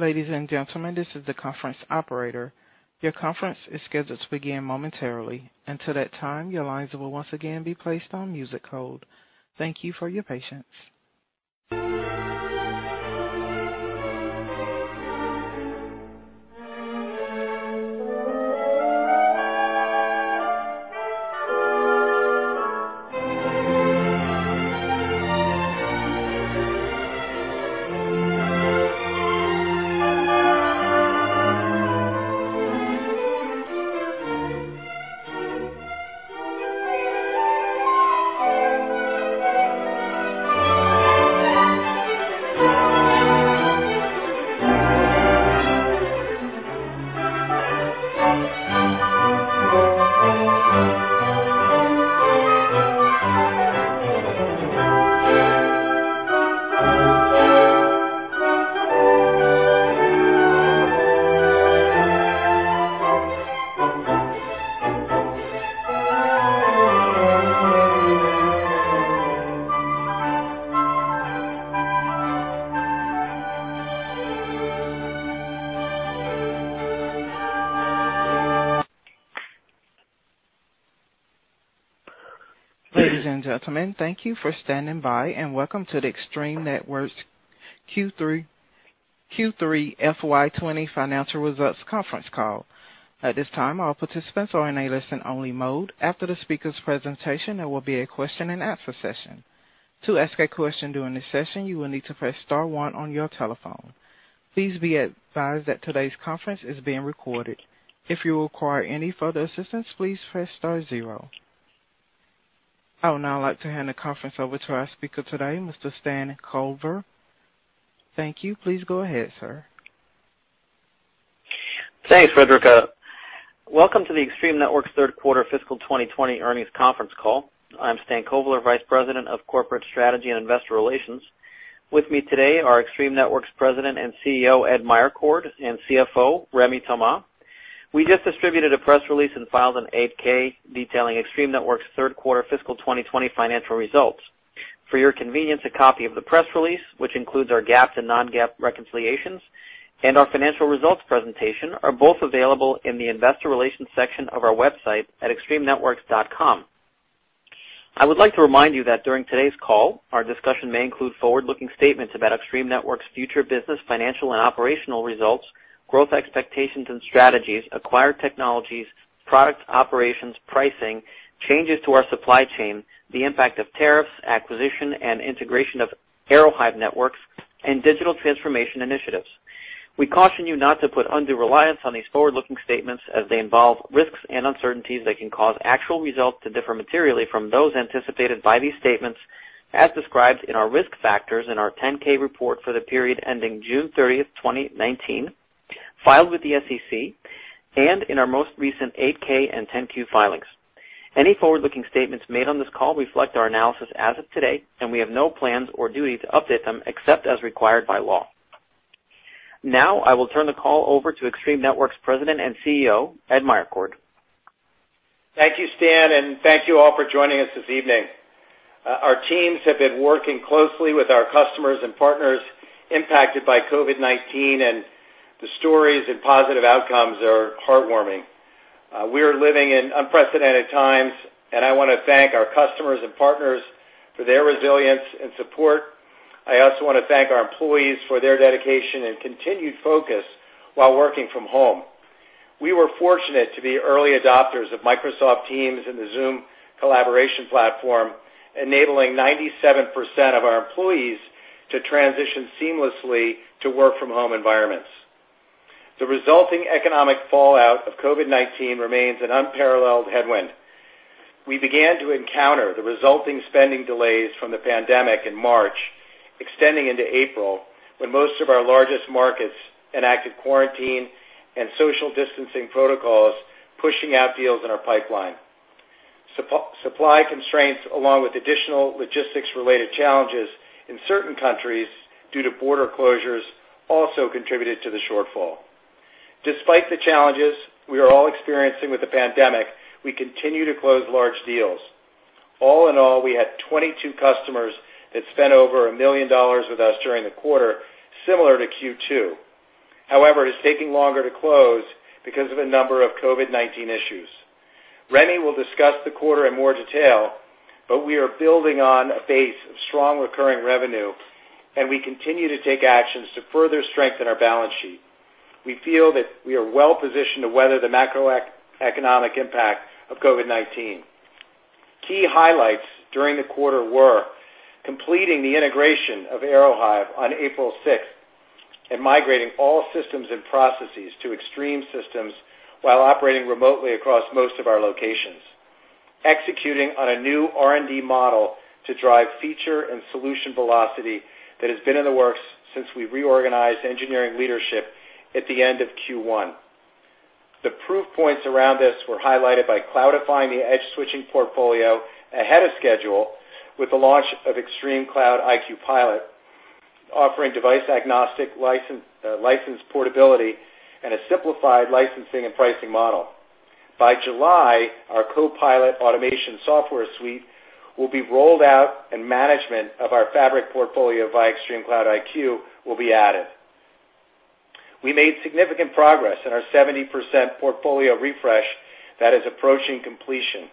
Ladies and gentlemen, this is the conference operator. Your conference is scheduled to begin momentarily. Until that time, your lines will once again be placed on music hold. Thank you for your patience. Ladies and gentlemen, thank you for standing by, and welcome to the Extreme Networks Q3 FY 2020 Financial Results Conference Call. At this time, all participants are in a listen-only mode. After the speaker's presentation, there will be a question and answer session. To ask a question during this session, you will need to press star one on your telephone. Please be advised that today's conference is being recorded. If you require any further assistance, please press star zero. I would now like to hand the conference over to our speaker today, Mr. Stan Kovler. Thank you. Please go ahead, sir. Thanks, Frederica. Welcome to the Extreme Networks Third Quarter Fiscal 2020 Earnings Conference Call. I'm Stan Kovler, vice president of corporate strategy and investor relations. With me today are Extreme Networks President and CEO, Ed Meyercord, and CFO, Rémi Thomas. We just distributed a press release and filed an 8-K detailing Extreme Networks' third quarter fiscal 2020 financial results. For your convenience, a copy of the press release, which includes our GAAP and non-GAAP reconciliations, and our financial results presentation are both available in the investor relations section of our website at extremenetworks.com. I would like to remind you that during today's call, our discussion may include forward-looking statements about Extreme Networks' future business, financial, and operational results, growth expectations and strategies, acquired technologies, product operations, pricing, changes to our supply chain, the impact of tariffs, acquisition, and integration of Aerohive Networks, and digital transformation initiatives. We caution you not to put undue reliance on these forward-looking statements as they involve risks and uncertainties that can cause actual results to differ materially from those anticipated by these statements, as described in our risk factors in our 10-K report for the period ending June 30, 2019, filed with the SEC, and in our most recent 8-K and 10-Q filings. Any forward-looking statements made on this call reflect our analysis as of today, and we have no plans or duty to update them except as required by law. Now, I will turn the call over to Extreme Networks' president and CEO, Ed Meyercord. Thank you, Stan, and thank you all for joining us this evening. Our teams have been working closely with our customers and partners impacted by COVID-19, and the stories and positive outcomes are heartwarming. We are living in unprecedented times, and I want to thank our customers and partners for their resilience and support. I also want to thank our employees for their dedication and continued focus while working from home. We were fortunate to be early adopters of Microsoft Teams and the Zoom collaboration platform, enabling 97% of our employees to transition seamlessly to work-from-home environments. The resulting economic fallout of COVID-19 remains an unparalleled headwind. We began to encounter the resulting spending delays from the pandemic in March, extending into April, when most of our largest markets enacted quarantine and social distancing protocols, pushing out deals in our pipeline. Supply constraints, along with additional logistics-related challenges in certain countries due to border closures, also contributed to the shortfall. Despite the challenges we are all experiencing with the pandemic, we continue to close large deals. All in all, we had 22 customers that spent over $1 million with us during the quarter, similar to Q2. It is taking longer to close because of a number of COVID-19 issues. Rémi will discuss the quarter in more detail. We are building on a base of strong recurring revenue. We continue to take actions to further strengthen our balance sheet. We feel that we are well-positioned to weather the macroeconomic impact of COVID-19. Key highlights during the quarter were completing the integration of Aerohive on April 6th and migrating all systems and processes to Extreme systems while operating remotely across most of our locations, executing on a new R&D model to drive feature and solution velocity that has been in the works since we reorganized engineering leadership at the end of Q1. The proof points around this were highlighted by cloudifying the edge switching portfolio ahead of schedule with the launch of ExtremeCloud IQ Pilot, offering device-agnostic license portability, and a simplified licensing and pricing model. By July, our CoPilot automation software suite will be rolled out and management of our fabric portfolio via ExtremeCloud IQ will be added. We made significant progress in our 70% portfolio refresh that is approaching completion.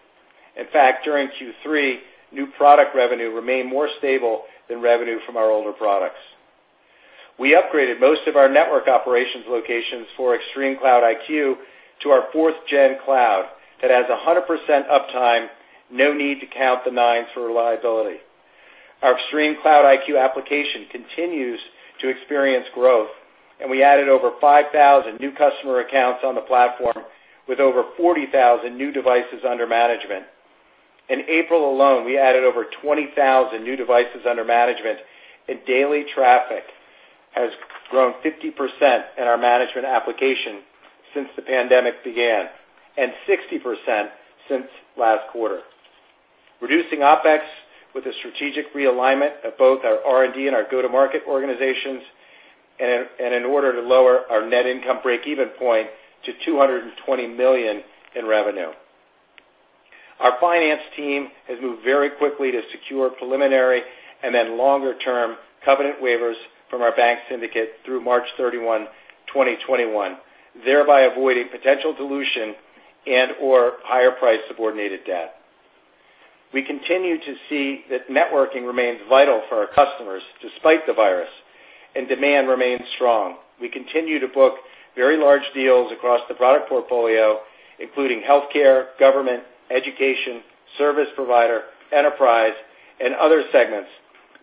In fact, during Q3, new product revenue remained more stable than revenue from our older products. We upgraded most of our network operations locations for ExtremeCloud IQ to our 4th Gen cloud that has 100% uptime, no need to count the nines for reliability. Our ExtremeCloud IQ application continues to experience growth. We added over 5,000 new customer accounts on the platform with over 40,000 new devices under management. In April alone, we added over 20,000 new devices under management. Daily traffic has grown 50% in our management application since the pandemic began and 60% since last quarter. Reducing OPEX with a strategic realignment of both our R&D and our go-to-market organizations. In order to lower our net income breakeven point to $220 million in revenue. Our finance team has moved very quickly to secure preliminary and then longer-term covenant waivers from our bank syndicate through March 31, 2021, thereby avoiding potential dilution and/or higher-priced subordinated debt. We continue to see that networking remains vital for our customers, despite the virus, and demand remains strong. We continue to book very large deals across the product portfolio, including healthcare, government, education, service provider, enterprise, and other segments,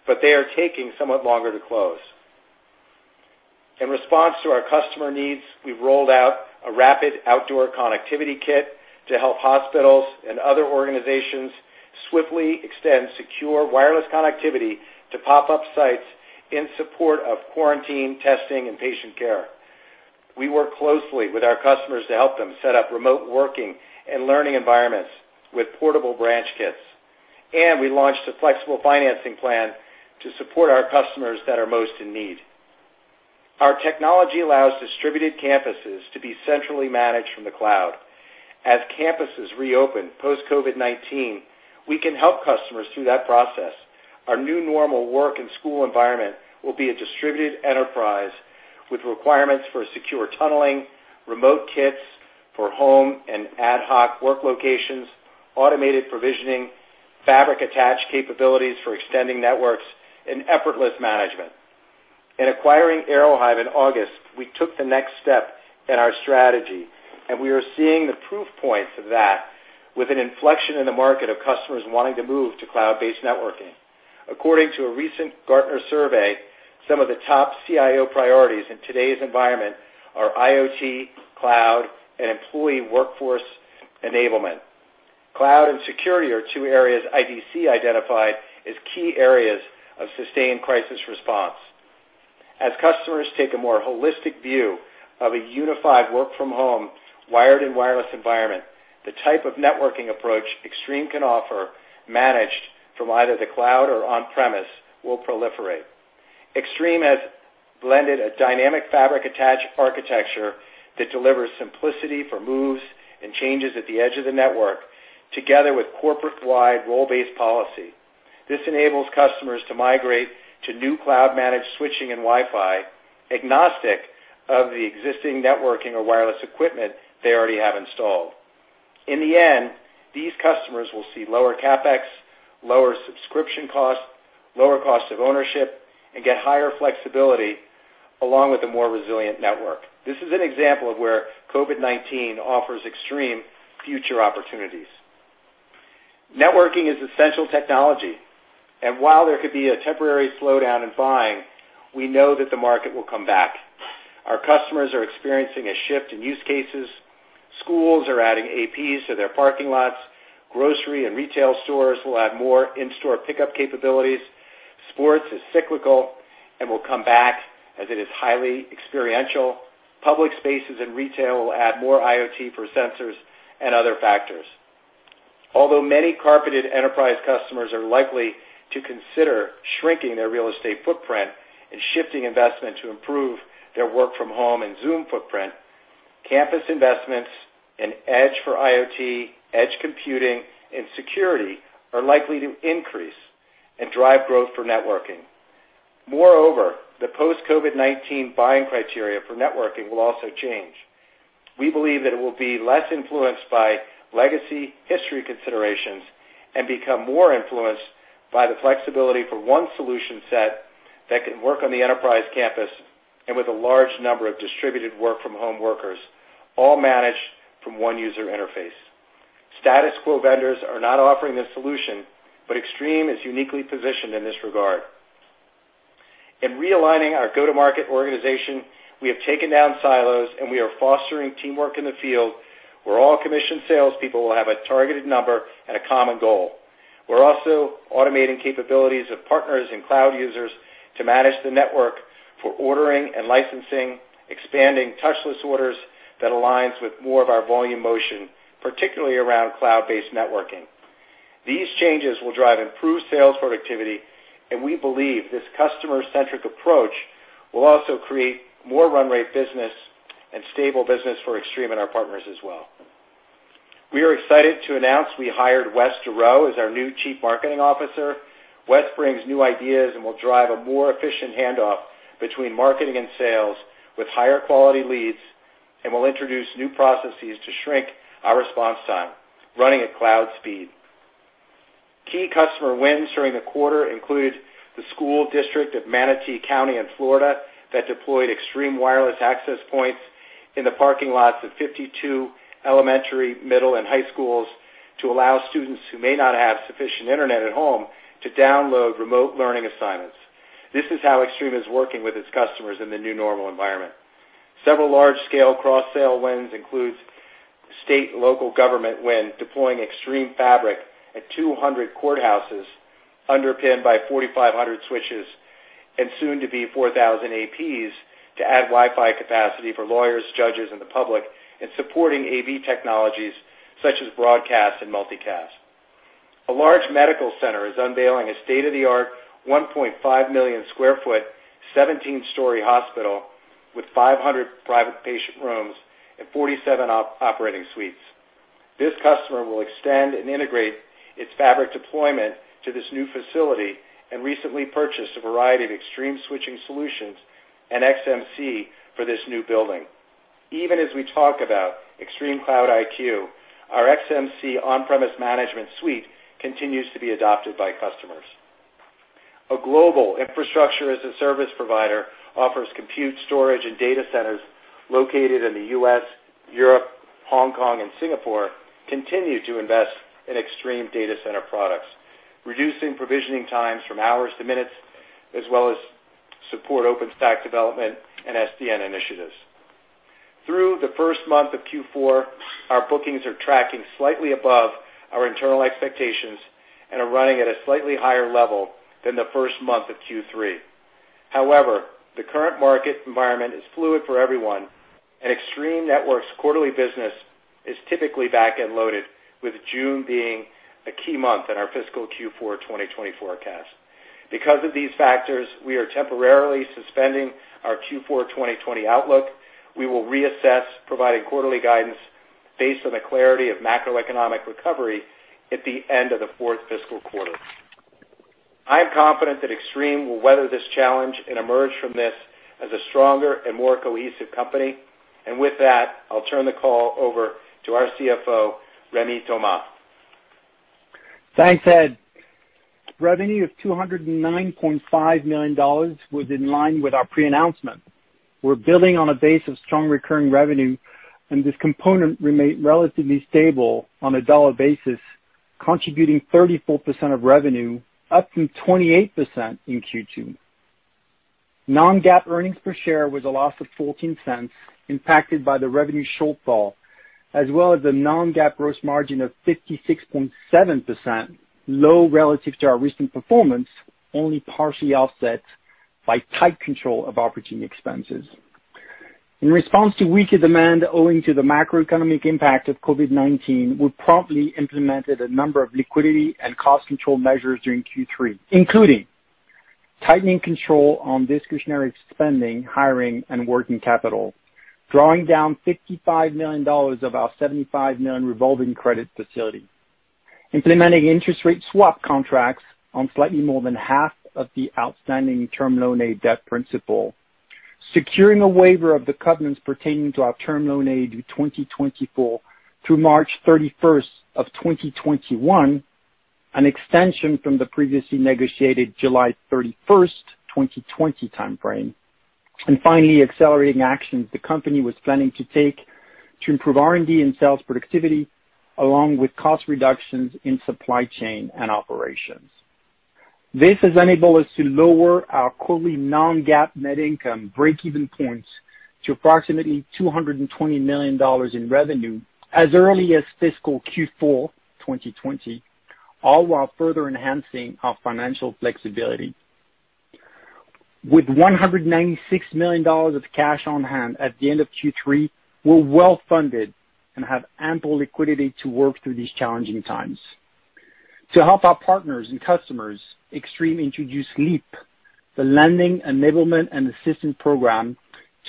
but they are taking somewhat longer to close. In response to our customer needs, we've rolled out a Rapid Outdoor Connectivity Kit to help hospitals and other organizations swiftly extend secure wireless connectivity to pop-up sites in support of quarantine testing and patient care. We work closely with our customers to help them set up remote working and learning environments with Portable Branch Kits, and we launched a flexible financing plan to support our customers that are most in need. Our technology allows distributed campuses to be centrally managed from the cloud. As campuses reopen post-COVID-19, we can help customers through that process. Our new normal work and school environment will be a distributed enterprise with requirements for secure tunneling, remote kits for home and ad hoc work locations, automated provisioning, fabric-attached capabilities for extending networks, and effortless management. In acquiring Aerohive in August, we took the next step in our strategy, and we are seeing the proof points of that with an inflection in the market of customers wanting to move to cloud-based networking. According to a recent Gartner survey, some of the top CIO priorities in today's environment are IoT, cloud, and employee workforce enablement. Cloud and security are two areas IDC identified as key areas of sustained crisis response. As customers take a more holistic view of a unified work-from-home wired and wireless environment, the type of networking approach Extreme can offer, managed from either the cloud or on-premise, will proliferate. Extreme has blended a dynamic fabric-attached architecture that delivers simplicity for moves and changes at the edge of the network, together with corporate-wide role-based policy. This enables customers to migrate to new cloud-managed switching and Wi-Fi agnostic of the existing networking or wireless equipment they already have installed. In the end, these customers will see lower CapEx, lower subscription costs, lower costs of ownership, and get higher flexibility along with a more resilient network. This is an example of where COVID-19 offers Extreme future opportunities. Networking is essential technology, while there could be a temporary slowdown in buying, we know that the market will come back. Our customers are experiencing a shift in use cases. Schools are adding APs to their parking lots. Grocery and retail stores will add more in-store pickup capabilities. Sports is cyclical and will come back as it is highly experiential. Public spaces and retail will add more IoT for sensors and other factors. Although many carpeted enterprise customers are likely to consider shrinking their real estate footprint and shifting investment to improve their work-from-home and Zoom footprint, campus investments and edge for IoT, edge computing, and security are likely to increase and drive growth for networking. Moreover, the post-COVID-19 buying criteria for networking will also change. We believe that it will be less influenced by legacy history considerations and become more influenced by the flexibility for one solution set that can work on the enterprise campus and with a large number of distributed work-from-home workers, all managed from one user interface. Status quo vendors are not offering this solution, but Extreme is uniquely positioned in this regard. In realigning our go-to-market organization, we have taken down silos, and we are fostering teamwork in the field where all commissioned salespeople will have a targeted number and a common goal. We're also automating capabilities of partners and cloud users to manage the network for ordering and licensing, expanding touchless orders that aligns with more of our volume motion, particularly around cloud-based networking. These changes will drive improved sales productivity, and we believe this customer-centric approach will also create more run rate business and stable business for Extreme and our partners as well. We are excited to announce we hired Wes Durow as our new Chief Marketing Officer. Wes brings new ideas and will drive a more efficient handoff between marketing and sales with higher quality leads and will introduce new processes to shrink our response time, running at cloud speed. Key customer wins during the quarter include the School District of Manatee County in Florida that deployed Extreme wireless access points in the parking lots of 52 elementary, middle, and high schools to allow students who may not have sufficient internet at home to download remote learning assignments. This is how Extreme is working with its customers in the new normal environment. Several large-scale cross-sell wins includes state and local government win deploying Extreme fabric at 200 courthouses, underpinned by 4,500 switches and soon to be 4,000 APs to add Wi-Fi capacity for lawyers, judges, and the public in supporting AV technologies such as broadcast and multicast. A large medical center is unveiling a state-of-the-art 1.5 million sq ft, 17-story hospital with 500 private patient rooms and 47 operating suites. This customer will extend and integrate its fabric deployment to this new facility and recently purchased a variety of Extreme switching solutions and XMC for this new building. Even as we talk about ExtremeCloud IQ, our XMC on-premise management suite continues to be adopted by customers. A global infrastructure-as-a-service provider offers compute storage and data centers located in the U.S., Europe, Hong Kong, and Singapore continue to invest in Extreme data center products, reducing provisioning times from hours to minutes, as well as support OpenStack development and SDN initiatives. Through the first month of Q4, our bookings are tracking slightly above our internal expectations and are running at a slightly higher level than the first month of Q3. The current market environment is fluid for everyone, and Extreme Networks' quarterly business is typically back-end loaded, with June being a key month in our fiscal Q4 2020 forecast. Because of these factors, we are temporarily suspending our Q4 2020 outlook. We will reassess providing quarterly guidance based on the clarity of macroeconomic recovery at the end of the fourth fiscal quarter. I am confident that Extreme will weather this challenge and emerge from this as a stronger and more cohesive company. With that, I'll turn the call over to our CFO, Rémi Thomas. Thanks, Ed. Revenue of $209.5 million was in line with our pre-announcement. This component remained relatively stable on a dollar basis, contributing 34% of revenue, up from 28% in Q2. Non-GAAP earnings per share was a loss of $0.14, impacted by the revenue shortfall, as well as a non-GAAP gross margin of 56.7%, low relative to our recent performance, only partially offset by tight control of operating expenses. In response to weaker demand owing to the macroeconomic impact of COVID-19, we promptly implemented a number of liquidity and cost control measures during Q3, including tightening control on discretionary spending, hiring, and working capital, drawing down $55 million of our $75 million revolving credit facility, implementing interest rate swap contracts on slightly more than half of the outstanding term loan A debt principal, securing a waiver of the covenants pertaining to our term loan A due 2024 through March 31st of 2021, an extension from the previously negotiated July 31st, 2020 timeframe. Finally, accelerating actions the company was planning to take to improve R&D and sales productivity, along with cost reductions in supply chain and operations. This has enabled us to lower our quarterly non-GAAP net income break-even points to approximately $220 million in revenue as early as fiscal Q4 2020, all while further enhancing our financial flexibility. With $196 million of cash on hand at the end of Q3, we're well-funded and have ample liquidity to work through these challenging times. To help our partners and customers, Extreme introduced LEAP, the Lending Enablement and Assistance Program,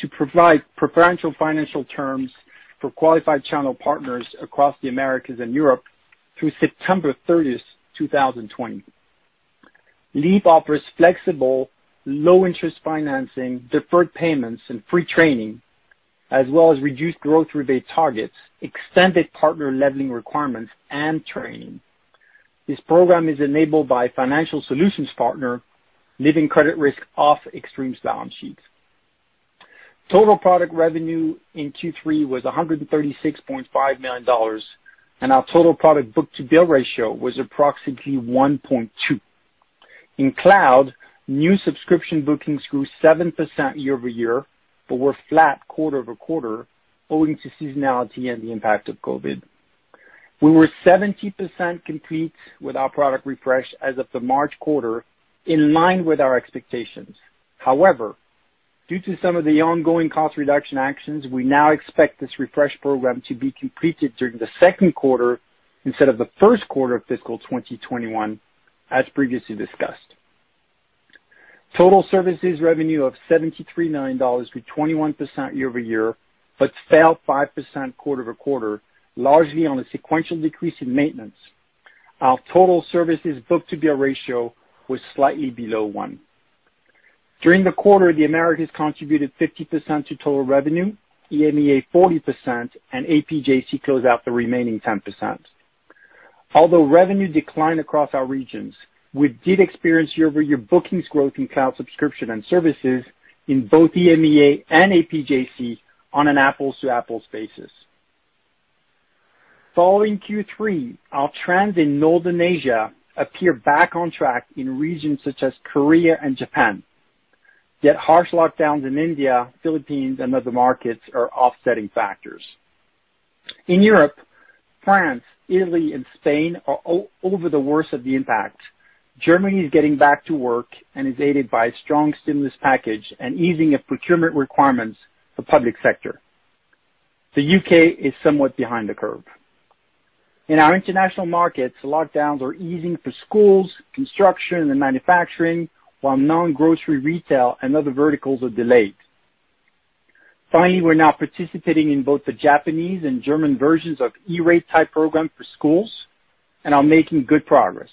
to provide preferential financial terms for qualified channel partners across the Americas and Europe through September 30th, 2020. LEAP offers flexible, low-interest financing, deferred payments, and free training, as well as reduced growth rebate targets, extended partner leveling requirements, and training. This program is enabled by a financial solutions partner, leaving credit risk off Extreme's balance sheet. Total product revenue in Q3 was $136.5 million, and our total product book-to-bill ratio was approximately 1.2. In cloud, new subscription bookings grew 7% year-over-year but were flat quarter-over-quarter owing to seasonality and the impact of COVID. We were 70% complete with our product refresh as of the March quarter, in line with our expectations. Due to some of the ongoing cost reduction actions, we now expect this refresh program to be completed during the second quarter instead of the first quarter of fiscal 2021, as previously discussed. Total services revenue of $73 million with 21% year-over-year, fell 5% quarter-over-quarter, largely on a sequential decrease in maintenance. Our total services book-to-bill ratio was slightly below one. During the quarter, the Americas contributed 50% to total revenue, EMEA 40%, and APJC closed out the remaining 10%. Revenue declined across our regions, we did experience year-over-year bookings growth in cloud subscription and services in both EMEA and APJC on an apples-to-apples basis. Following Q3, our trends in Northern Asia appear back on track in regions such as Korea and Japan. Harsh lockdowns in India, Philippines, and other markets are offsetting factors. In Europe, France, Italy, and Spain are over the worst of the impact. Germany is getting back to work and is aided by a strong stimulus package and easing of procurement requirements for public sector. The U.K. is somewhat behind the curve. In our international markets, lockdowns are easing for schools, construction, and manufacturing, while non-grocery retail and other verticals are delayed. We're now participating in both the Japanese and German versions of E-Rate type program for schools and are making good progress.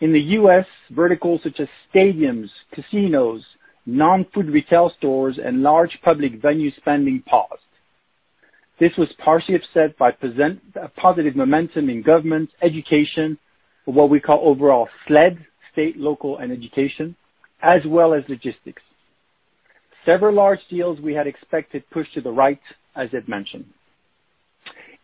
In the U.S., verticals such as stadiums, casinos, non-food retail stores, and large public venue spending paused. This was partially offset by positive momentum in government, education, or what we call overall SLED, state, local, and education, as well as logistics. Several large deals we had expected pushed to the right, as Ed mentioned.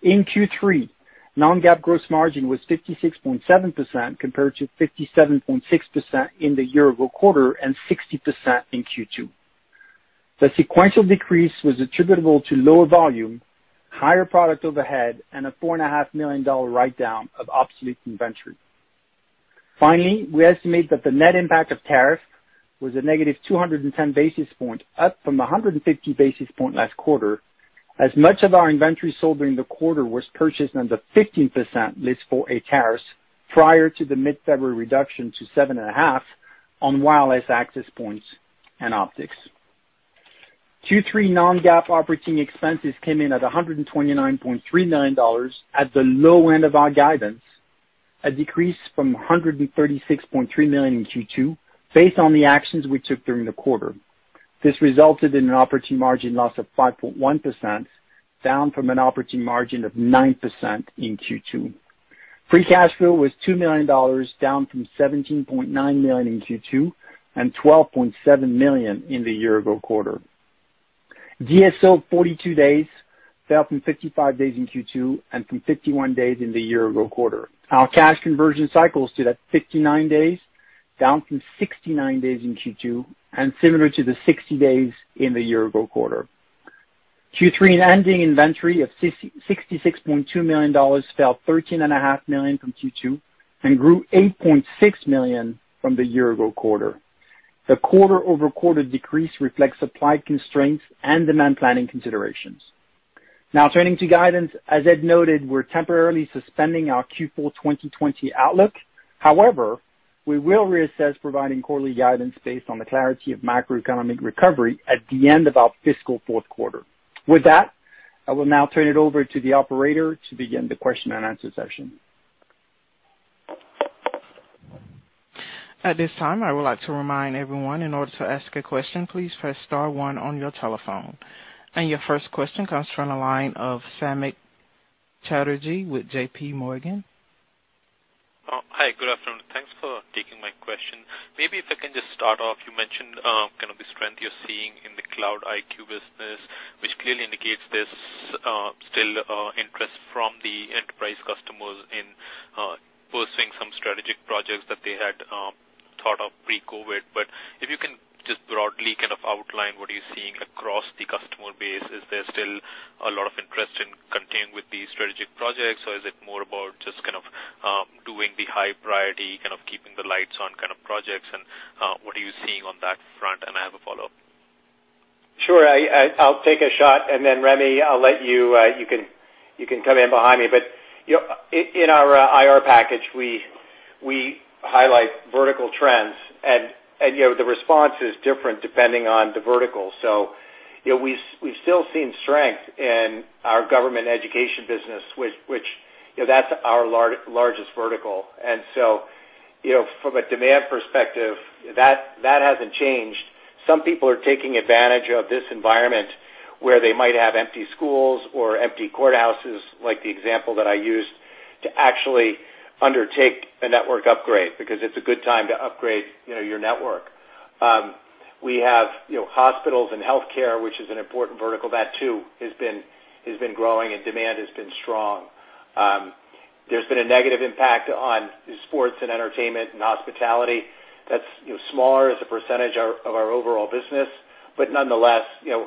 In Q3, non-GAAP gross margin was 56.7% compared to 57.6% in the year-over-quarter and 60% in Q2. The sequential decrease was attributable to lower volume, higher product overhead, and a $4.5 million write-down of obsolete inventory. Finally, we estimate that the net impact of tariff was a negative 210 basis points, up from 150 basis points last quarter, as much of our inventory sold during the quarter was purchased under 15% List 4A tariffs prior to the mid-February reduction to 7.5% on wireless access points and optics. Q3 non-GAAP operating expenses came in at $129.3 million at the low end of our guidance, a decrease from $136.3 million in Q2 based on the actions we took during the quarter. This resulted in an operating margin loss of 5.1%, down from an operating margin of 9% in Q2. Free cash flow was $2 million, down from $17.9 million in Q2 and $12.7 million in the year ago quarter. DSO of 42 days fell from 55 days in Q2 and from 51 days in the year ago quarter. Our cash conversion cycles stood at 59 days, down from 69 days in Q2, and similar to the 60 days in the year ago quarter. Q3 ending inventory of $66.2 million fell $13.5 million from Q2 and grew $8.6 million from the year ago quarter. The quarter-over-quarter decrease reflects supply constraints and demand planning considerations. Turning to guidance. As Ed noted, we're temporarily suspending our Q4 2020 outlook. We will reassess providing quarterly guidance based on the clarity of macroeconomic recovery at the end of our fiscal fourth quarter. I will now turn it over to the operator to begin the question and answer session. At this time, I would like to remind everyone in order to ask a question, please press star one on your telephone. Your first question comes from the line of Samik Chatterjee with JPMorgan. Hi. Good afternoon. Thanks for taking my question. Maybe if I can just start off, you mentioned, kind of the strength you're seeing in the Cloud IQ business, which clearly indicates there's still interest from the enterprise customers in pursuing some strategic projects that they had thought of pre-COVID. If you can just broadly kind of outline what you're seeing across the customer base. Is there still a lot of interest in continuing with these strategic projects, or is it more about just kind of, doing the high priority, kind of keeping the lights on kind of projects, and what are you seeing on that front? I have a follow-up. Sure. I'll take a shot. Rémi, I'll let you come in behind me. In our IR package, we highlight vertical trends and the response is different depending on the vertical. We've still seen strength in our government education business, which that's our largest vertical. From a demand perspective, that hasn't changed. Some people are taking advantage of this environment where they might have empty schools or empty courthouses, like the example that I used, to actually undertake a network upgrade because it's a good time to upgrade your network. We have hospitals and healthcare, which is an important vertical. That too has been growing and demand has been strong. There's been a negative impact on sports and entertainment and hospitality that's smaller as a percentage of our overall business. Nonetheless,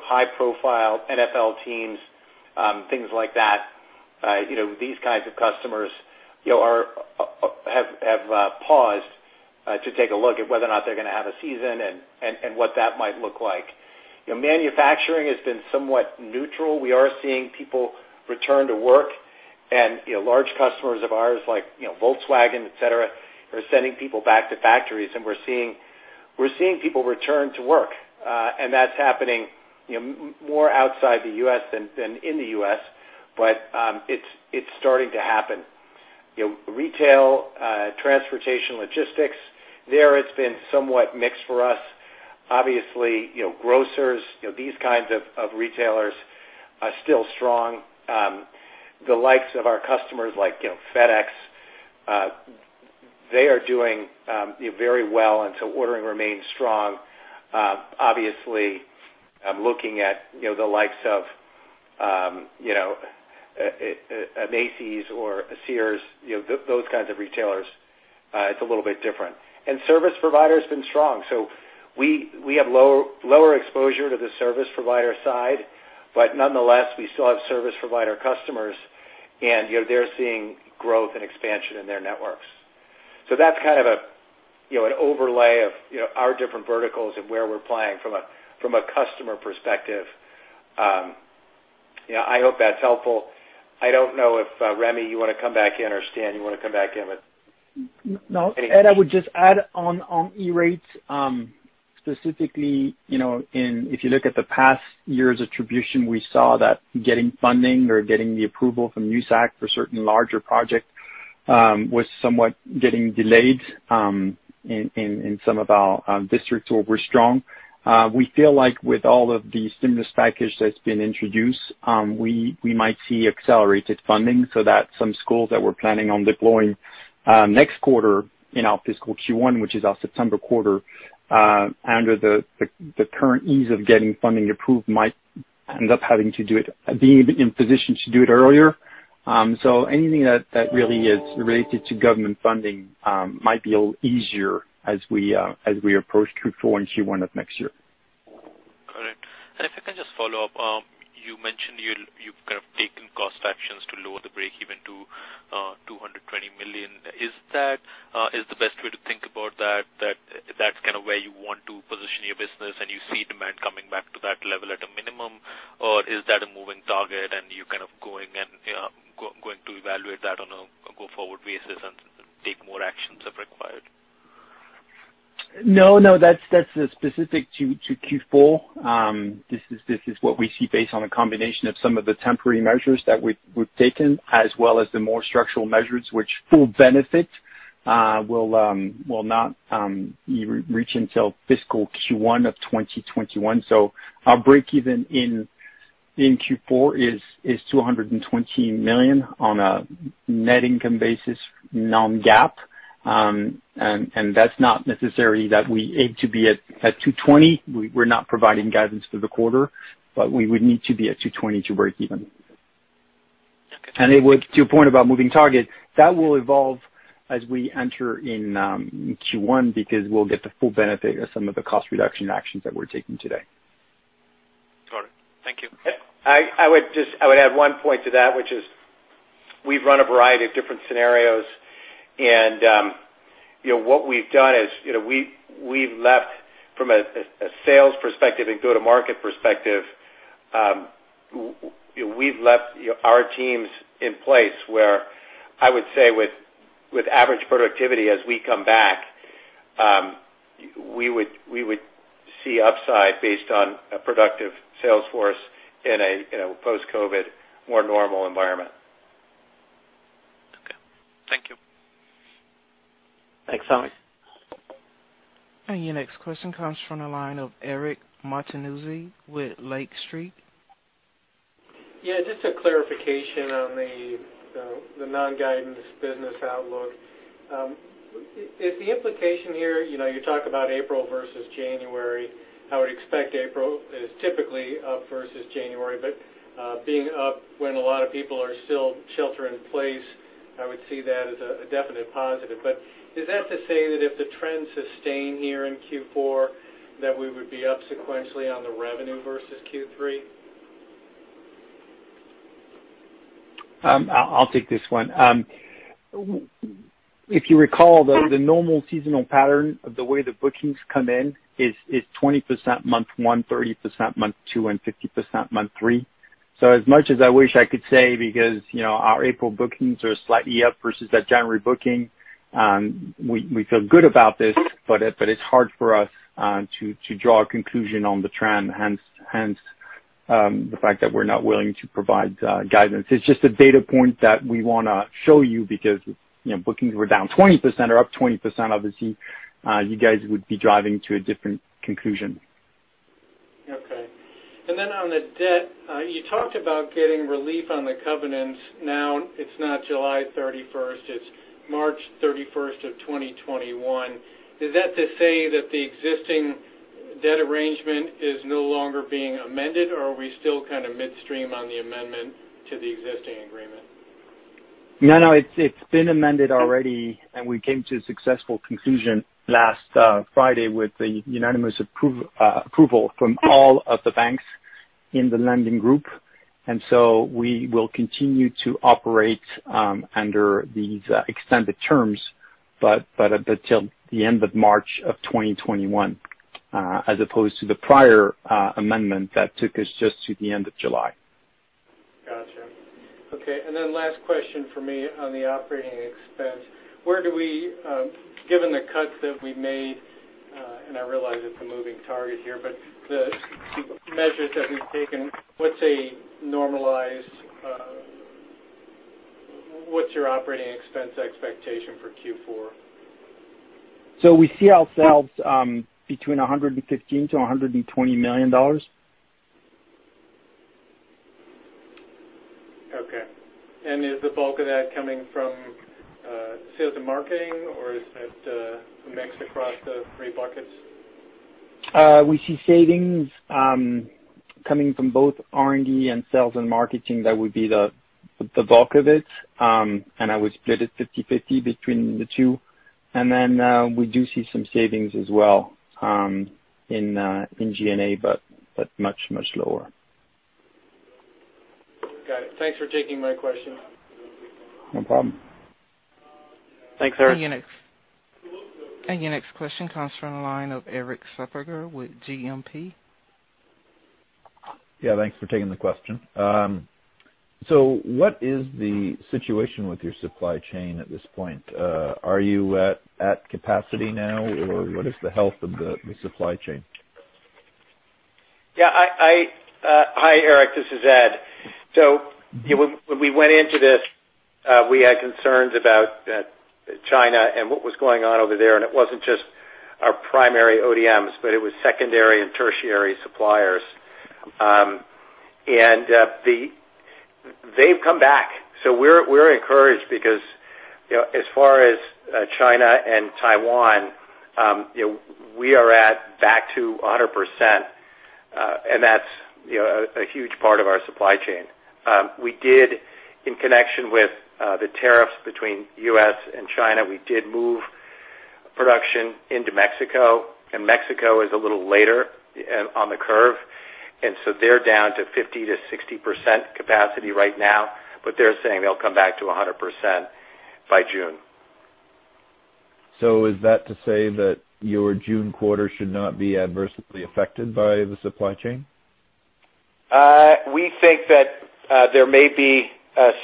high profile NFL teams, things like that, these kinds of customers are. Have paused to take a look at whether or not they're going to have a season and what that might look like. Manufacturing has been somewhat neutral. We are seeing people return to work, and large customers of ours, like Volkswagen, et cetera, are sending people back to factories, and we're seeing people return to work. That's happening more outside the U.S. than in the U.S., but it's starting to happen. Retail, transportation, logistics, there it's been somewhat mixed for us. Obviously, grocers, these kinds of retailers are still strong. The likes of our customers like FedEx, they are doing very well, and so ordering remains strong. Obviously, looking at the likes of a Macy's or a Sears, those kinds of retailers, it's a little bit different. Service provider's been strong. We have lower exposure to the service provider side, but nonetheless, we still have service provider customers, and they're seeing growth and expansion in their networks. That's kind of an overlay of our different verticals and where we're playing from a customer perspective. I hope that's helpful. I don't know if, Rémi, you want to come back in or Stan, you want to come back in with anything. Ed, I would just add on E-Rate, specifically, if you look at the past year's attribution, we saw that getting funding or getting the approval from USAC for certain larger projects was somewhat getting delayed in some of our districts where we're strong. We feel like with all of the stimulus package that's been introduced, we might see accelerated funding so that some schools that we're planning on deploying next quarter in our fiscal Q1, which is our September quarter, under the current ease of getting funding approved, might end up being in position to do it earlier. Anything that really is related to government funding might be a little easier as we approach Q4 and Q1 of next year. Correct. If I can just follow up, you mentioned you've kind of taken cost actions to lower the break even to $220 million. Is the best way to think about that that's kind of where you want to position your business, and you see demand coming back to that level at a minimum? Is that a moving target and you're kind of going to evaluate that on a go-forward basis and take more actions if required? No. That's specific to Q4. This is what we see based on a combination of some of the temporary measures that we've taken, as well as the more structural measures which full benefit will not reach until fiscal Q1 of 2021. Our break even in Q4 is $220 million on a net income basis, non-GAAP. That's not necessary that we aim to be at $220. We're not providing guidance for the quarter, but we would need to be at $220 to break even. Okay. To your point about moving target, that will evolve as we enter in Q1 because we'll get the full benefit of some of the cost reduction actions that we're taking today. Got it. Thank you. I would add one point to that, which is we've run a variety of different scenarios and what we've done is we've left from a sales perspective and go-to-market perspective, we've left our teams in place where I would say with average productivity as we come back, we would see upside based on a productive sales force in a post-COVID, more normal environment. Okay. Thank you. Thanks, Samik. Your next question comes from the line of Eric Martinuzzi with Lake Street. Yeah, just a clarification on the non-guidance business outlook. Is the implication here, you talk about April versus January, I would expect April is typically up versus January, but being up when a lot of people are still shelter in place, I would see that as a definite positive. Is that to say that if the trends sustain here in Q4, that we would be up sequentially on the revenue versus Q3? I'll take this one. If you recall, the normal seasonal pattern of the way the bookings come in is 20% month one, 30% month two, and 50% month three. As much as I wish I could say because our April bookings are slightly up versus that January booking, we feel good about this, but it's hard for us to draw a conclusion on the trend, hence the fact that we're not willing to provide guidance. It's just a data point that we want to show you because bookings were down 20% or up 20%, obviously, you guys would be driving to a different conclusion. Okay. On the debt, you talked about getting relief on the covenants. It's not July 31st, it's March 31st of 2021. Is that to say that the existing debt arrangement is no longer being amended, or are we still kind of midstream on the amendment to the existing agreement? No, it's been amended already, and we came to a successful conclusion last Friday with the unanimous approval from all of the banks in the lending group. We will continue to operate under these extended terms, but until the end of March of 2021, as opposed to the prior amendment that took us just to the end of July. Got you. Okay. Last question from me on the operating expense. Given the cuts that we've made, and I realize it's a moving target here, but the measures that we've taken, what's your operating expense expectation for Q4? We see ourselves between $115 million-$120 million. Okay. Is the bulk of that coming from sales and marketing, or is it a mix across the three buckets? We see savings coming from both R&D and sales and marketing. That would be the bulk of it. I would split it 50/50 between the two. We do see some savings as well in G&A, but much lower. Got it. Thanks for taking my question. No problem. Thanks, Eric. Our next question comes from the line of Erik Suppiger with JMP. Yeah, thanks for taking the question. What is the situation with your supply chain at this point? Are you at capacity now, or what is the health of the supply chain? Yeah. Hi, Erik, this is Ed. When we went into this, we had concerns about China and what was going on over there, and it wasn't just our primary ODMs, but it was secondary and tertiary suppliers. They've come back. We're encouraged because, as far as China and Taiwan, we are at back to 100%, and that's a huge part of our supply chain. In connection with the tariffs between U.S. and China, we did move production into Mexico, and Mexico is a little later on the curve. They're down to 50%-60% capacity right now, but they're saying they'll come back to 100% by June. Is that to say that your June quarter should not be adversely affected by the supply chain? We think that there may be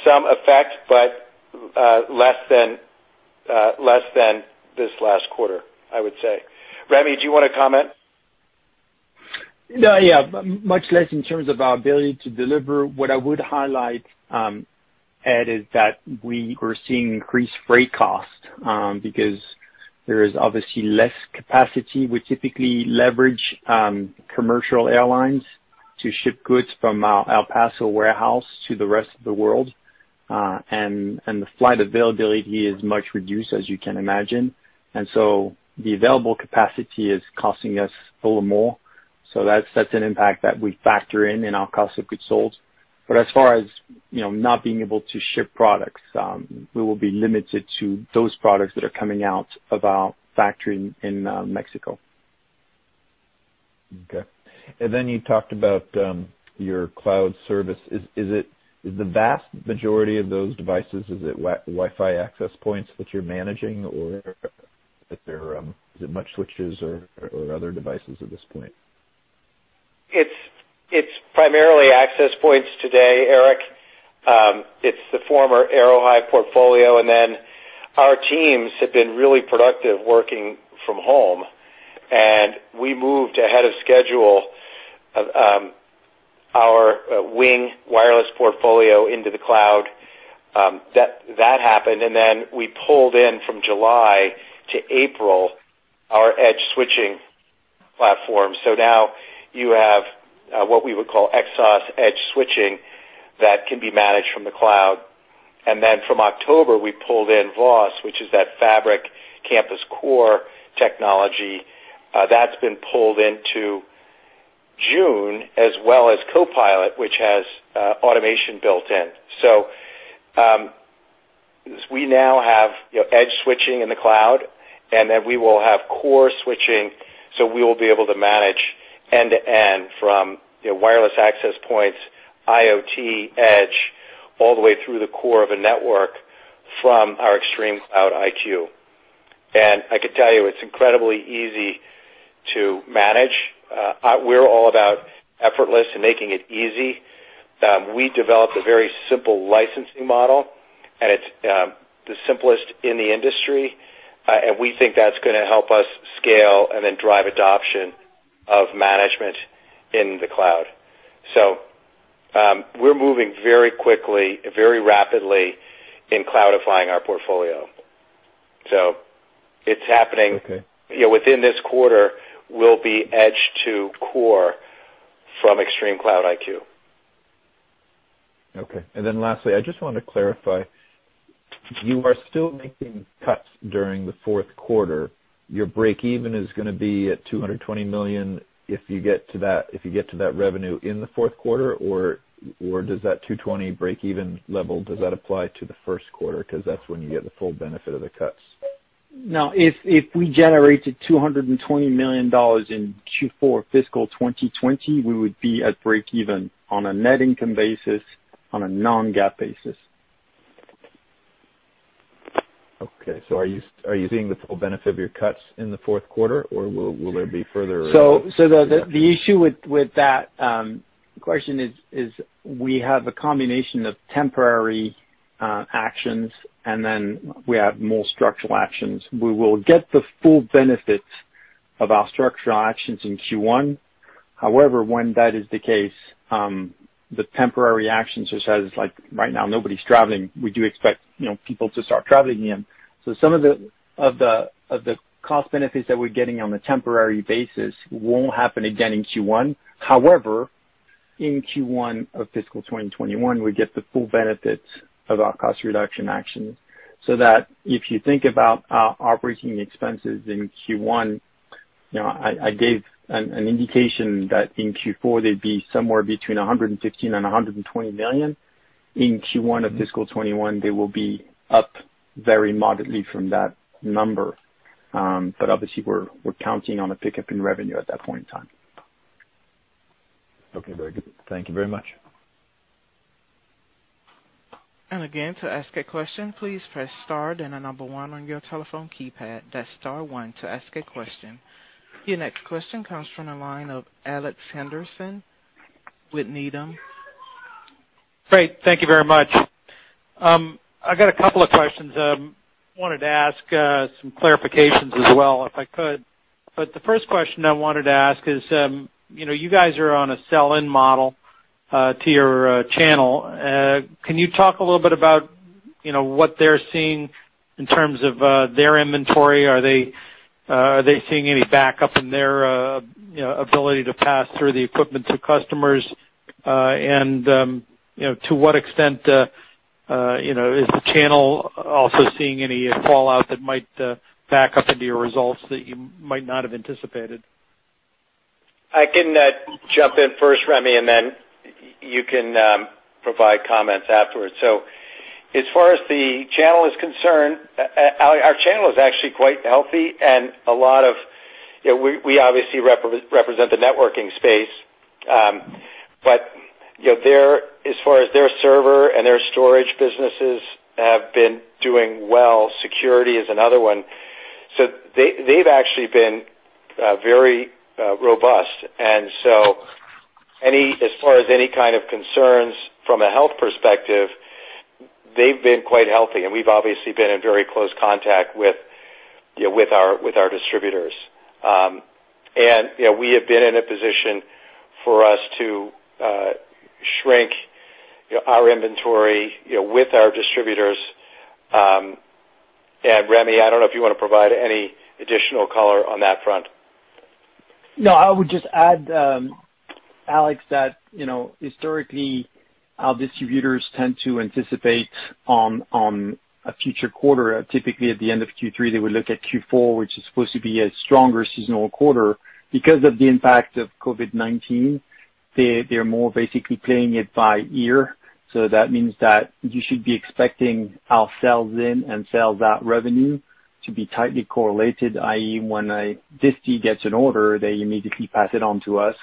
some effect, but less than this last quarter, I would say. Rémi, do you want to comment? Much less in terms of our ability to deliver. What I would highlight, Ed, is that we were seeing increased freight cost because there is obviously less capacity. We typically leverage commercial airlines to ship goods from our El Paso warehouse to the rest of the world. The flight availability is much reduced, as you can imagine. The available capacity is costing us a little more. That's an impact that we factor in in our cost of goods sold. As far as not being able to ship products, we will be limited to those products that are coming out of our factory in Mexico. Okay. You talked about your cloud service. Is the vast majority of those devices, is it Wi-Fi access points that you're managing, or is it much switches or other devices at this point? It's primarily access points today, Erik. It's the former Aerohive portfolio, and then our teams have been really productive working from home, and we moved ahead of schedule our WiNG wireless portfolio into the cloud. That happened. We pulled in from July to April our edge switching platform. Now you have what we would call EXOS Edge Switching that can be managed from the cloud. From October, we pulled in VOSS, which is that fabric campus core technology. That's been pulled into June, as well as CoPilot, which has automation built in. We now have edge switching in the cloud, and then we will have core switching, so we will be able to manage end-to-end from wireless access points, IoT edge, all the way through the core of a network from our ExtremeCloud IQ. I could tell you, it's incredibly easy to manage. We're all about effortless and making it easy. We developed a very simple licensing model, and it's the simplest in the industry, and we think that's going to help us scale and then drive adoption of management in the cloud. We're moving very quickly, very rapidly in cloudifying our portfolio. It's happening. Okay. Within this quarter, we'll be edge to core from ExtremeCloud IQ. Okay. Lastly, I just wanted to clarify. You are still making cuts during the fourth quarter. Your breakeven is going to be at $220 million if you get to that revenue in the fourth quarter, or does that $220 breakeven level apply to the first quarter? That's when you get the full benefit of the cuts. Now, if we generated $220 million in Q4 fiscal 2020, we would be at breakeven on a net income basis, on a non-GAAP basis. Okay. Are you seeing the full benefit of your cuts in the fourth quarter, or will there be further? The issue with that question is we have a combination of temporary actions and we have more structural actions. We will get the full benefit of our structural actions in Q1. When that is the case, the temporary actions, just like right now, nobody's traveling. We do expect people to start traveling again. Some of the cost benefits that we're getting on a temporary basis won't happen again in Q1. In Q1 of fiscal 2021, we get the full benefit of our cost reduction actions, so that if you think about our operating expenses in Q1, I gave an indication that in Q4 they'd be somewhere between $115 million and $120 million. In Q1 of fiscal 2021, they will be up very moderately from that number. Obviously we're counting on a pickup in revenue at that point in time. Okay, very good. Thank you very much. Again, to ask a question, please press star, then the number 1 on your telephone keypad. That's star one to ask a question. Your next question comes from the line of Alex Henderson with Needham. Great. Thank you very much. I got a couple of questions. I wanted to ask some clarifications as well if I could. The first question I wanted to ask is, you guys are on a sell-in model to your channel. Can you talk a little bit about what they're seeing in terms of their inventory? Are they seeing any backup in their ability to pass through the equipment to customers? To what extent is the channel also seeing any fallout that might back up into your results that you might not have anticipated? I can jump in first, Rémi, and then you can provide comments afterwards. As far as the channel is concerned, our channel is actually quite healthy and we obviously represent the networking space. As far as their server and their storage businesses have been doing well. Security is another one. They've actually been very robust. As far as any kind of concerns from a health perspective, they've been quite healthy. We've obviously been in very close contact with our distributors. We have been in a position for us to shrink our inventory with our distributors. Rémi, I don't know if you want to provide any additional color on that front. I would just add, Alex, that historically, our distributors tend to anticipate on a future quarter. At the end of Q3, they would look at Q4, which is supposed to be a stronger seasonal quarter. Because of the impact of COVID-19, they're more basically playing it by ear. That means that you should be expecting our sales in and sales out revenue to be tightly correlated, i.e., when a distie gets an order, they immediately pass it on to us,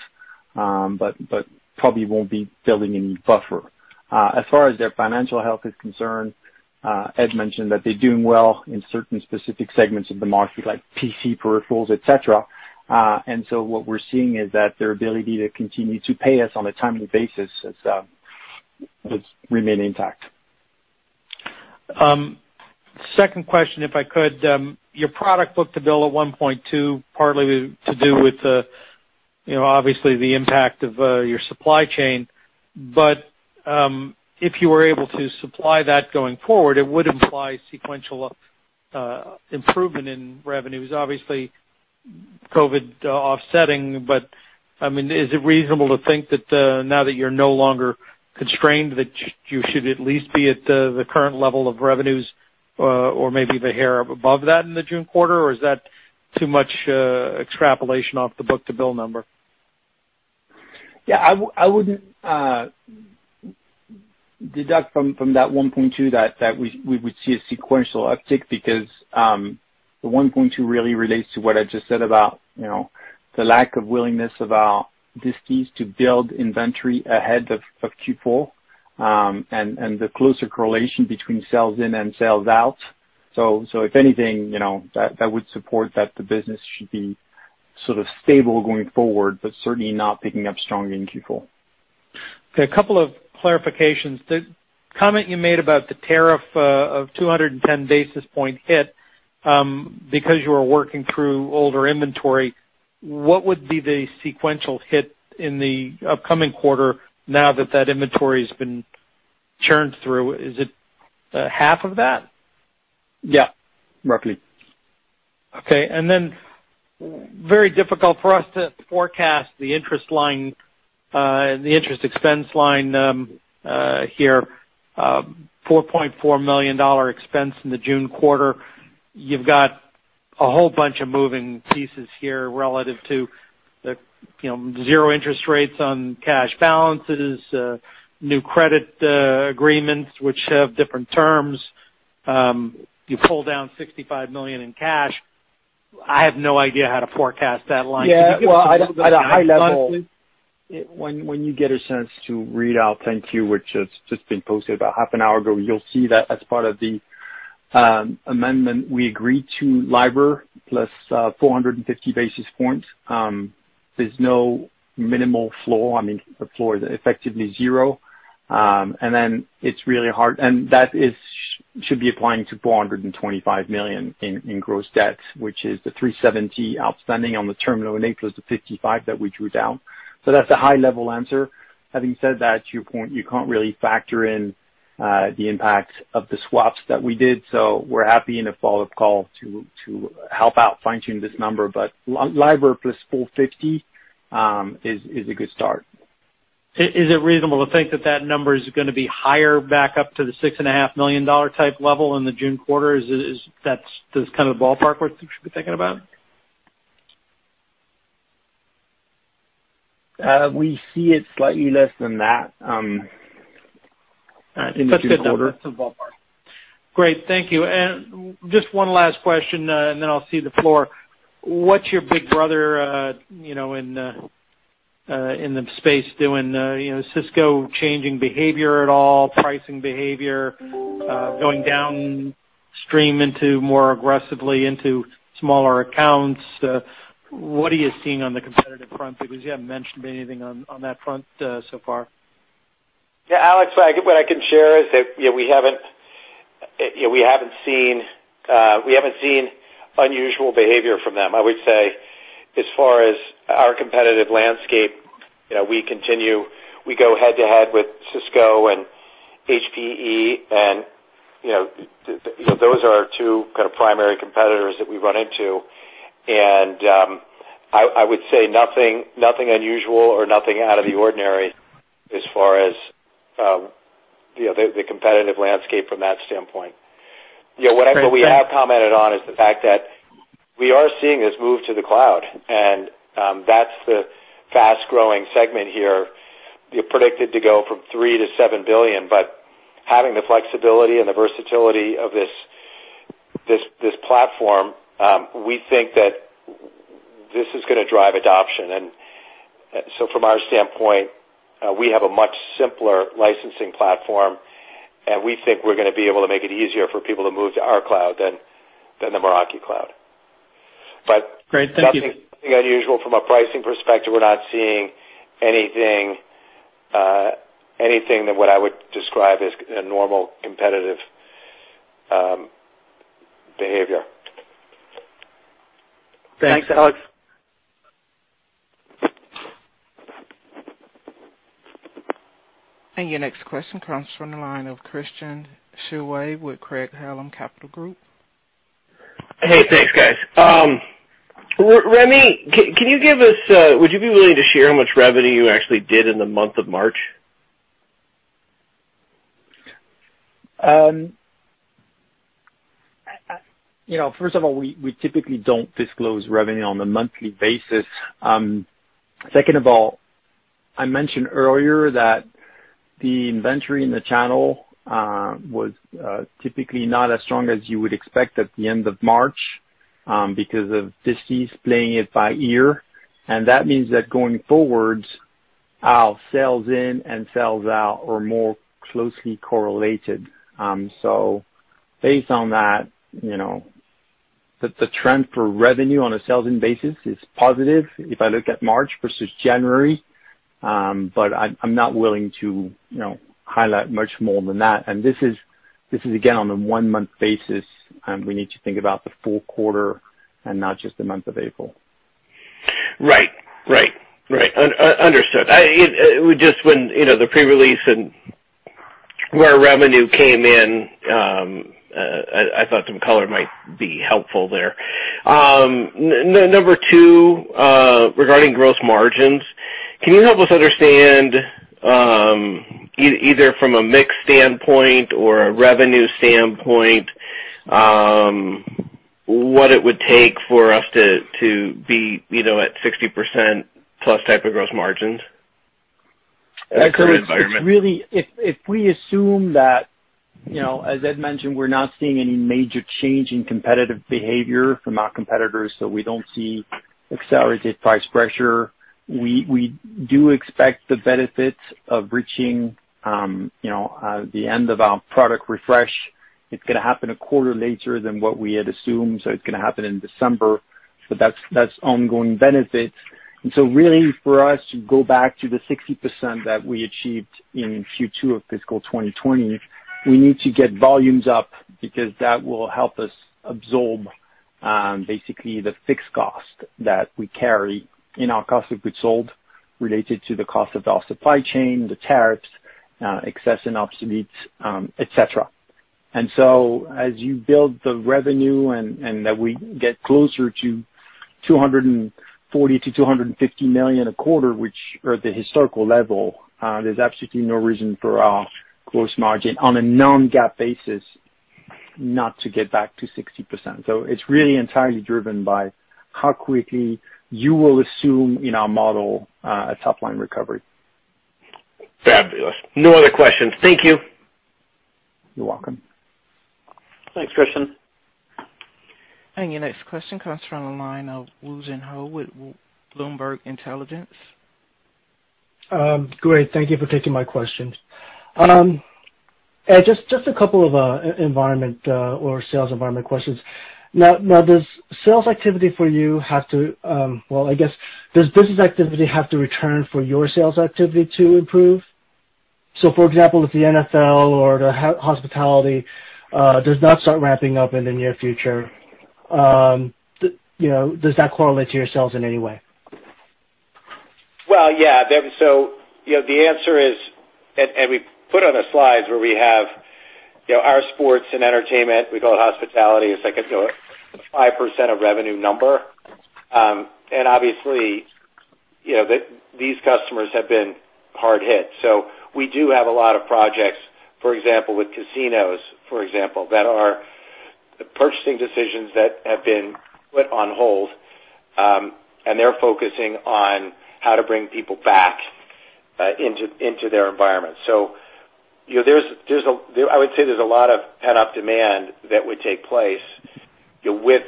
but probably won't be building any buffer. As far as their financial health is concerned, Ed mentioned that they're doing well in certain specific segments of the market, like PC peripherals, et cetera. What we're seeing is that their ability to continue to pay us on a timely basis has remained intact. Second question, if I could. Your product book-to-bill of 1.2 partly to do with obviously the impact of your supply chain. If you were able to supply that going forward, it would imply sequential improvement in revenues. Obviously, COVID-19 offsetting, but is it reasonable to think that now that you're no longer constrained, that you should at least be at the current level of revenues or maybe the hair above that in the June quarter, or is that too much extrapolation off the book-to-bill number? Yeah, I wouldn't deduct from that 1.2 that we would see a sequential uptick because the 1.2 really relates to what I just said about the lack of willingness of our disties to build inventory ahead of Q4, and the closer correlation between sales in and sales out. If anything, that would support that the business should be sort of stable going forward, but certainly not picking up strongly in Q4. Okay, a couple of clarifications. The comment you made about the tariff of 210 basis point hit, because you were working through older inventory, what would be the sequential hit in the upcoming quarter now that that inventory has been churned through? Is it half of that? Yeah. Roughly. Okay. Very difficult for us to forecast the interest expense line here, $4.4 million expense in the June quarter. A whole bunch of moving pieces here relative to the zero interest rates on cash balances, new credit agreements which have different terms. You pull down $65 million in cash. I have no idea how to forecast that line. Can you give us? Yeah. Well, at a high level. Honestly When you get a chance to read our 10-Q, which has just been posted about half an hour ago, you'll see that as part of the amendment, we agreed to LIBOR plus 450 basis points. There's no minimal floor. I mean, the floor is effectively zero. That should be applying to $425 million in gross debt, which is the $370 outstanding on the term loan A, plus the $55 that we drew down. That's a high-level answer. Having said that, to your point, you can't really factor in the impact of the swaps that we did. We're happy in a follow-up call to help out fine-tune this number. LIBOR plus 450 is a good start. Is it reasonable to think that that number is going to be higher back up to the six and a half million dollar type level in the June quarter? Is that the kind of ballpark we should be thinking about? We see it slightly less than that in the June quarter. That's a good number. That's a ballpark. Great. Thank you. Just one last question, and then I'll cede the floor. What's your big brother in the space doing? Is Cisco changing behavior at all? Pricing behavior, going downstream into more aggressively into smaller accounts? What are you seeing on the competitive front? You haven't mentioned anything on that front so far. Alex, what I can share is that we haven't seen unusual behavior from them. I would say as far as our competitive landscape, we go head-to-head with Cisco and HPE, and those are our two kind of primary competitors that we run into. I would say nothing unusual or nothing out of the ordinary as far as the competitive landscape from that standpoint. What I know we have commented on is the fact that we are seeing this move to the cloud, and that's the fast-growing segment here, predicted to go from $3 billion to $7 billion. Having the flexibility and the versatility of this platform, we think that this is going to drive adoption. From our standpoint, we have a much simpler licensing platform, and we think we're going to be able to make it easier for people to move to our cloud than the Meraki cloud. Great. Thank you. nothing unusual from a pricing perspective. We're not seeing anything than what I would describe as normal competitive behavior. Thanks, Alex. Your next question comes from the line of Christian Schwab with Craig-Hallum Capital Group. Hey, thanks, guys. Rémi, would you be willing to share how much revenue you actually did in the month of March? First of all, we typically don't disclose revenue on a monthly basis. Second of all, I mentioned earlier that the inventory in the channel was typically not as strong as you would expect at the end of March because of disties playing it by ear. That means that going forward, our sales in and sales out are more closely correlated. Based on that, the trend for revenue on a sales in basis is positive if I look at March versus January. I'm not willing to highlight much more than that. This is again, on a one-month basis, and we need to think about the full quarter and not just the month of April. Right. Understood. Just when the pre-release and where revenue came in, I thought some color might be helpful there. Number two, regarding gross margins, can you help us understand, either from a mix standpoint or a revenue standpoint, what it would take for us to be at 60%+ type of gross margins? It's really, if we assume that, as Ed mentioned, we're not seeing any major change in competitive behavior from our competitors, so we don't see accelerated price pressure. We do expect the benefits of reaching the end of our product refresh. It's going to happen a quarter later than what we had assumed, so it's going to happen in December. That's ongoing benefits. Really for us to go back to the 60% that we achieved in Q2 of FY 2020, we need to get volumes up because that will help us absorb basically the fixed cost that we carry in our cost of goods sold related to the cost of our supply chain, the tariffs, excess and obsoletes, et cetera. As you build the revenue and that we get closer to $240 million-$250 million a quarter, which are the historical level. There's absolutely no reason for our gross margin on a non-GAAP basis not to get back to 60%. It's really entirely driven by how quickly you will assume in our model, a top-line recovery. Fabulous. No other questions. Thank you. You're welcome. Thanks, Christian. Your next question comes from the line of Woo Jin Ho with Bloomberg Intelligence. Great. Thank you for taking my questions. Ed, just a couple of environment, or sales environment questions. Well, I guess, does business activity have to return for your sales activity to improve? For example, if the NFL or the hospitality does not start ramping up in the near future, does that correlate to your sales in any way? Well, yeah. The answer is, and we put on the slides where we have our sports and entertainment, we call it hospitality, is like a 5% of revenue number. Obviously, these customers have been hard hit. We do have a lot of projects, for example, with casinos, for example, that are purchasing decisions that have been put on hold, and they're focusing on how to bring people back into their environment. I would say there's a lot of pent-up demand that would take place with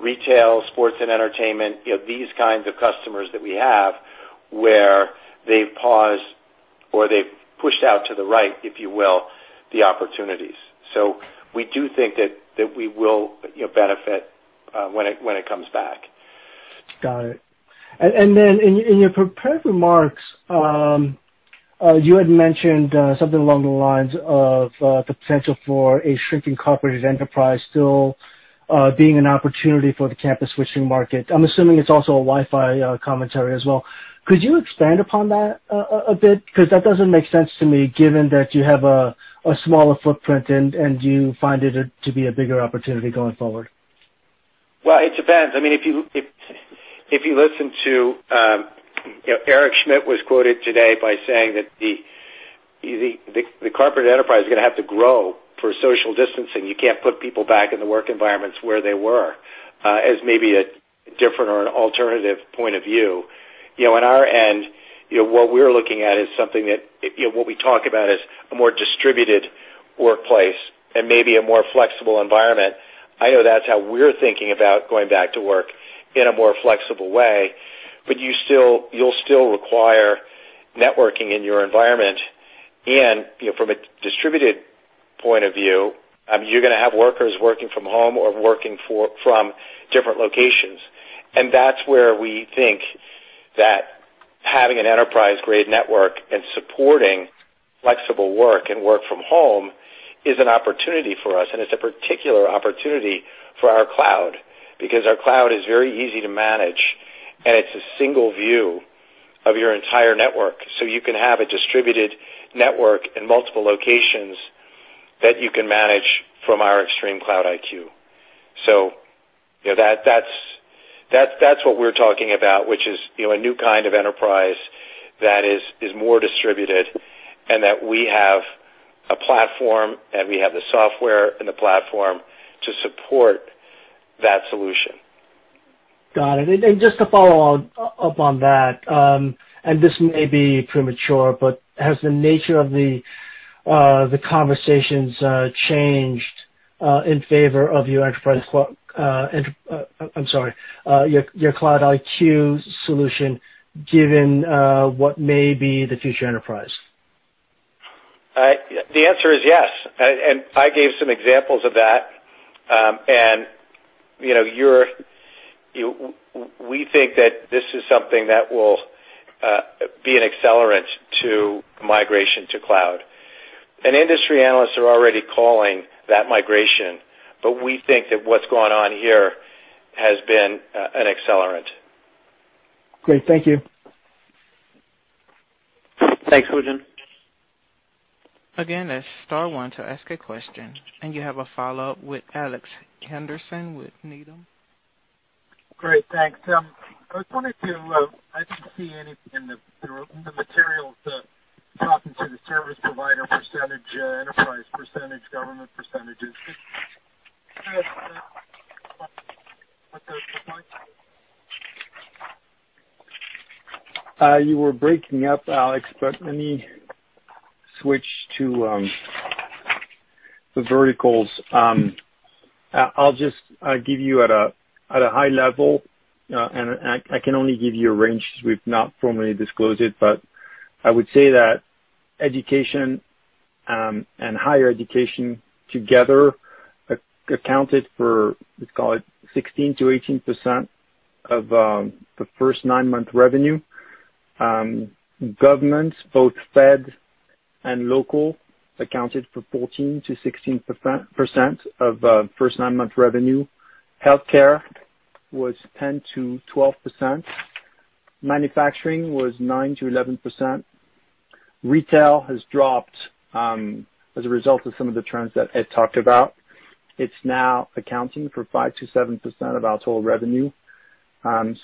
retail, sports, and entertainment, these kinds of customers that we have, where they've paused or they've pushed out to the right, if you will, the opportunities. We do think that we will benefit when it comes back. Got it. In your prepared remarks, you had mentioned something along the lines of the potential for a shrinking corporate enterprise still being an opportunity for the campus switching market. I'm assuming it's also a Wi-Fi commentary as well. Could you expand upon that a bit? That doesn't make sense to me given that you have a smaller footprint and you find it to be a bigger opportunity going forward. It depends. Eric Schmidt was quoted today by saying that the corporate enterprise is going to have to grow for social distancing. You can't put people back in the work environments where they were, as maybe a different or an alternative point of view. On our end, what we're looking at is something that, what we talk about as a more distributed workplace and maybe a more flexible environment. I know that's how we're thinking about going back to work in a more flexible way. You'll still require networking in your environment and, from a distributed point of view, you're going to have workers working from home or working from different locations. That's where we think that having an enterprise-grade network and supporting flexible work and work from home is an opportunity for us, and it's a particular opportunity for our cloud, because our cloud is very easy to manage, and it's a single view of your entire network. You can have a distributed network in multiple locations that you can manage from our ExtremeCloud IQ. That's what we're talking about, which is a new kind of enterprise that is more distributed and that we have a platform, and we have the software and the platform to support that solution. Got it. Just to follow up on that, and this may be premature, but has the nature of the conversations changed in favor of your Cloud IQ solution given what may be the future enterprise? The answer is yes. I gave some examples of that. We think that this is something that will be an accelerant to migration to cloud. Industry analysts are already calling that migration, but we think that what's gone on here has been an accelerant. Great. Thank you. Thanks, Woo Jin. Again, that's star one to ask a question. You have a follow-up with Alex Henderson with Needham. Great, thanks. I was wondering, I didn't see any in the materials talking to the service provider percentage, enterprise percentage, government percentages. Could you address that quickly? You were breaking up, Alex. Let me switch to the verticals. I'll just give you at a high level. I can only give you a range, since we've not formally disclosed it. I would say that education and higher education together accounted for, let's call it 16%-18% of the first nine-month revenue. Governments, both fed and local, accounted for 14%-16% of first nine-month revenue. Healthcare was 10%-12%. Manufacturing was 9%-11%. Retail has dropped as a result of some of the trends that Ed talked about. It's now accounting for 5%-7% of our total revenue.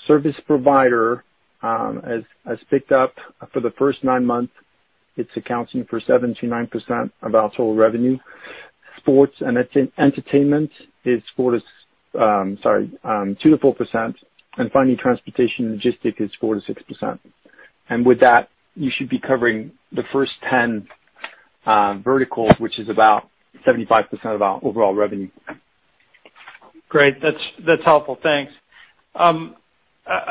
Service provider has picked up for the first nine months. It's accounting for 7%-9% of our total revenue. Sports and entertainment is 2%-4%. Finally, transportation and logistics is 4%-6%. With that, you should be covering the first 10 verticals, which is about 75% of our overall revenue. Great. That's helpful. Thanks. I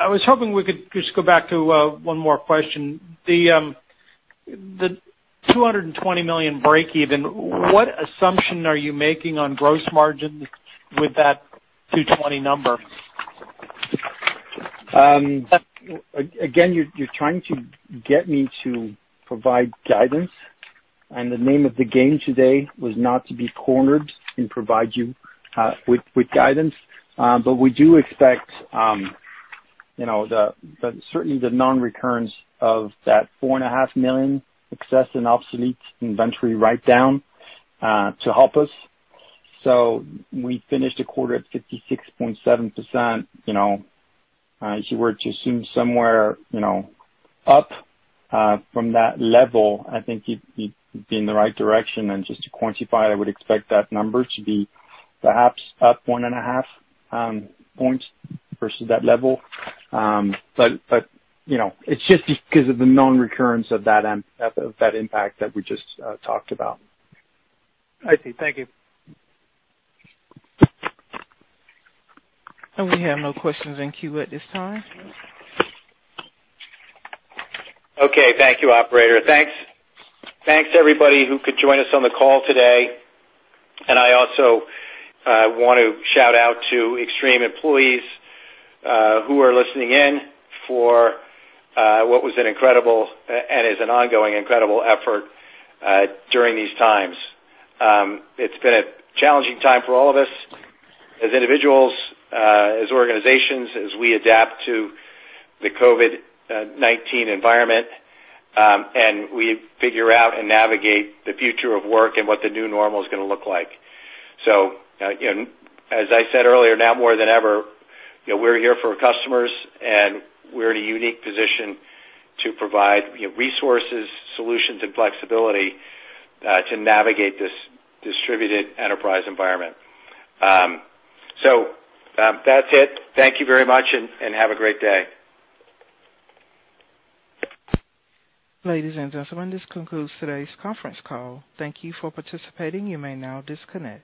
was hoping we could just go back to one more question. The $220 million breakeven, what assumption are you making on gross margin with that 220 number? You're trying to get me to provide guidance. The name of the game today was not to be cornered and provide you with guidance. We do expect certainly the non-recurrence of that $4.5 million excess and obsolete inventory write-down to help us. We finished the quarter at 56.7%. If you were to assume somewhere up from that level, I think you'd be in the right direction. Just to quantify, I would expect that number to be perhaps up one and a half points versus that level. It's just because of the non-recurrence of that impact that we just talked about. I see. Thank you. We have no questions in queue at this time. Okay. Thank you, operator. Thanks, everybody who could join us on the call today. I also want to shout out to Extreme employees who are listening in for what was an incredible, and is an ongoing incredible effort during these times. It's been a challenging time for all of us as individuals, as organizations, as we adapt to the COVID-19 environment. We figure out and navigate the future of work and what the new normal is going to look like. Again, as I said earlier, now more than ever, we're here for our customers. We're in a unique position to provide resources, solutions, and flexibility to navigate this distributed enterprise environment. That's it. Thank you very much. Have a great day. Ladies and gentlemen, this concludes today's conference call. Thank you for participating. You may now disconnect.